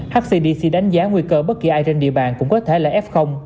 hcdc đánh giá nguy cơ bất kỳ ai trên địa bàn cũng có thể là f